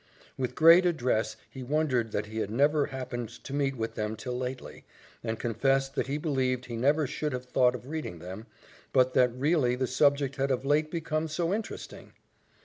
With great address he wondered that he had never happened to meet with them till lately; and confessed that he believed he never should have thought of reading them, but that really the subject had of late become so interesting!